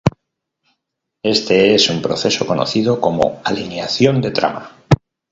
Este es un proceso conocido como alineación de trama.